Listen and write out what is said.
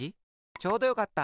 ちょうどよかった！